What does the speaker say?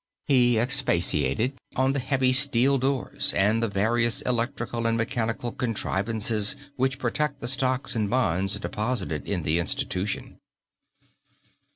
He expatiated on the heavy steel doors and the various electrical and mechanical contrivances which protect the stocks and bonds deposited in the institution.